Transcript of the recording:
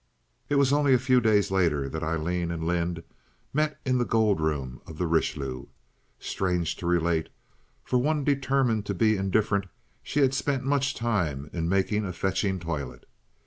It was only a few days later that Aileen and Lynde met in the gold room of the Richelieu. Strange to relate, for one determined to be indifferent she had spent much time in making a fetching toilet.